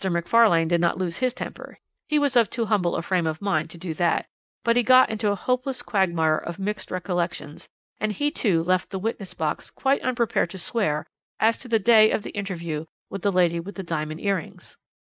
Macfarlane did not lose his temper; he was of too humble a frame of mind to do that, but he got into a hopeless quagmire of mixed recollections, and he too left the witness box quite unprepared to swear as to the day of the interview with the lady with the diamond earrings.